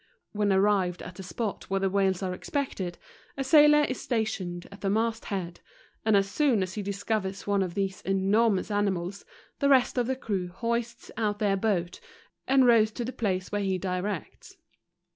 When arrived at the spot w here the w hales are expected, a sailor is 'Stationed at the mast head, and as soon as he discovers one of these enormous animals, the rest of the crew hoist out their boat, and row r to the place where he directs.